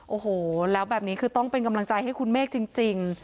โอ้โหแล้วแบบนี้คือต้องเป็นกำลังใจให้คุณเมฆจริง